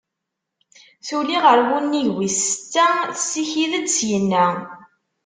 Tuli ɣer wunnig wis-setta, tessikid-d ssyinna.